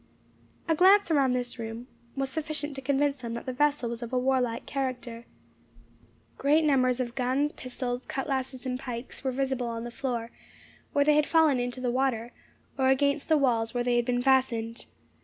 A glance around this room was sufficient to convince them that the vessel was of a warlike character. Great numbers of guns, pistols, cutlasses, and pikes, were visible on the floor, where they had fallen into the water, or against the walls where they had been fastened.